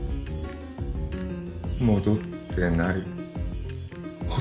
戻ってないッ。